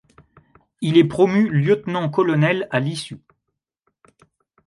Il est promu lieutenant-colonel à l'issue.